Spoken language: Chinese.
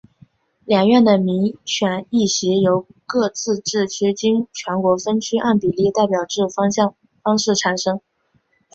两院的民选议席由各自治区经全国分区按比例代表制方式产生。